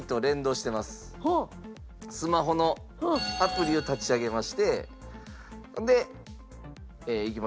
スマホのアプリを立ち上げましてでいきますよ。